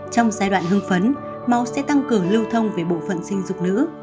trong giai đoạn hương phấn máu sẽ tăng cửa lưu thông về bộ phận sinh dục nữ